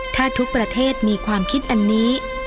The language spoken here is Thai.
ถ้าทุกประเทศมีความคิดอันนี้